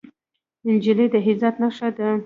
نجلۍ د عزت نښه ده.